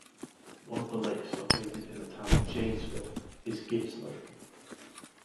One of the lakes located in the Town of Janesville is Gibbs Lake.